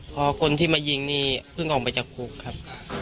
พอคนที่มายิงนี่เพิ่งออกไปจากคุกครับ